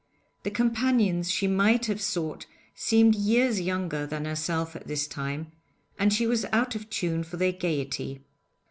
The companions she might have sought seemed years younger than herself at this time, and she was out of tune for their gaiety.